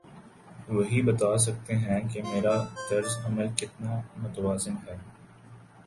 وہی بتا سکتے ہیں کہ میرا طرز عمل کتنا متوازن ہے۔